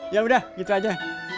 yaudah gitu aja